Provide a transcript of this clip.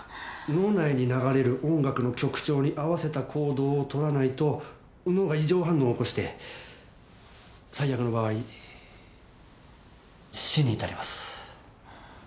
脳内に流れる音楽の曲調に合わせた行動をとらないと脳が異常反応を起こして最悪の場合死に至ります。